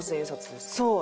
そう。